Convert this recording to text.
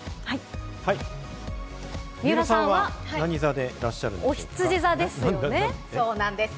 水卜さんは何座でいらっしゃいますか？